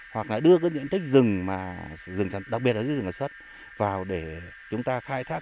hoặc là đưa các diện tích rừng đặc biệt là rừng sản xuất vào để chúng ta khai thác